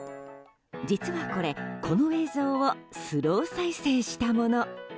実はこれ、この映像をスロー再生したもの。